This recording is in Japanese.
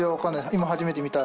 今初めて見た。